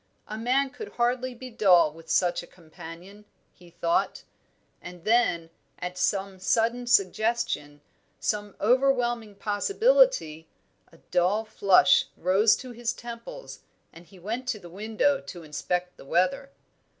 A man could hardly be dull with such a companion, he thought; and then, at some sudden suggestion, some overwhelming possibility, a dull flush rose to his temples, and he went to the window to inspect the weather.